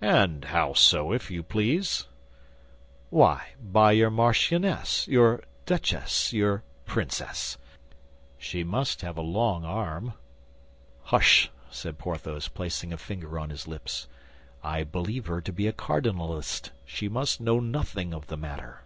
"And how so, if you please?" "Why, by your marchioness, your duchess, your princess. She must have a long arm." "Hush!" said Porthos, placing a finger on his lips. "I believe her to be a cardinalist; she must know nothing of the matter."